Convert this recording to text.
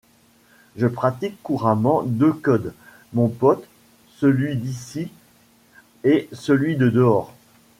Je pratique couramment deux codes, mon pote, celui d’ici et celui de dehors.